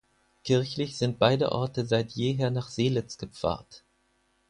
Kirchlich sind beide Orte seit jeher nach Seelitz gepfarrt.